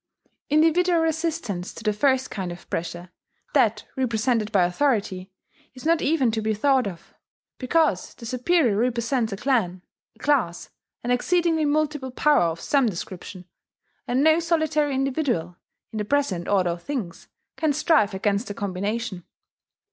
Individual resistance to the first kind of pressure that represented by authority is not even to be thought of; because the superior represents a clan, a class, an exceedingly multiple power of some description; and no solitary individual, in the present order of things, can strive against a combination.